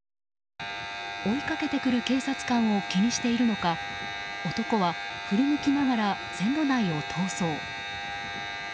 追いかけてくる警察官を気にしているのか男は振り向きながら線路内を逃走。